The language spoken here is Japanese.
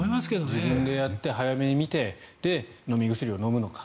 自分でやって、早めに見て飲み薬を飲むのか。